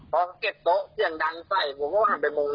พอเขาเก็บโต๊ะเสียงดังใส่ผมก็ว่าทำเป็นโมง